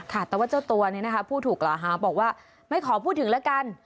ค่ะแต่ว่าเจ้าตัวนี้นะคะผู้ถูกกล่าวหาบอกว่าไม่ขอพูดถึงแล้วกัน